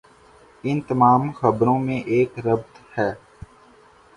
ان تمام خبروں میں ایک ربط ہے۔